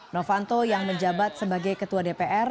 novanto yang menjabat sebagai ketua dpr